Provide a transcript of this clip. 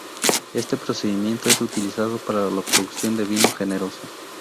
Este procedimiento es utilizado para la producción de vino generoso.